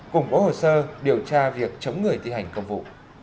củng cố hồ sơ điều tra việc chống người thi hành công vụ